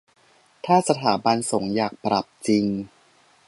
ถ้าสถาบันสงฆ์อยากปรับจริง